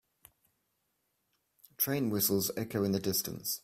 Train whistles echo in the distance.